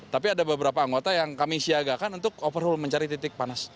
tapi ada beberapa anggota yang kami siagakan untuk overhaul mencari titik panas